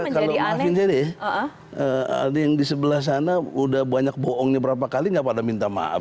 sementara kalau maafin aja deh ada yang di sebelah sana udah banyak bohongnya berapa kali nggak pada minta maaf